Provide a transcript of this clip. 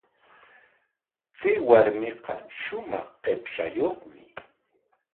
Chay warmiqa shumaq qipshayuqmi.